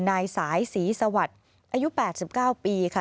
นายสายศรีสวัสดิ์อายุ๘๙ปีค่ะ